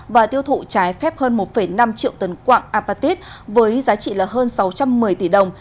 và tiêu thụ trái phép hơn một năm triệu tấn quạng apatit với giá trị là hơn sáu trăm một mươi tỷ đồng